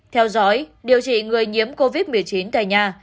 theo dõi điều trị người nhiễm covid một mươi chín tại nhà